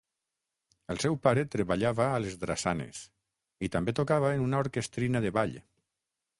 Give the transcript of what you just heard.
El seu pare treballava a les drassanes i també tocava en una orquestrina de ball.